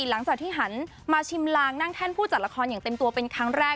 หลังจากที่หันมาชิมลางนั่งแท่นผู้จัดละครอย่างเต็มตัวเป็นครั้งแรก